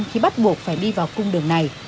khi bắt buộc phải đi vào cung đường này